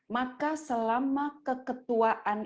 maka selama keketuaan